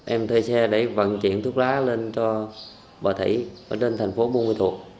em thuê xe để vận chuyển thuốc lá lên cho bà thủy ở trên thành phố bô ma thuật